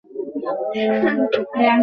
তাতে ক্ষতিটা কী?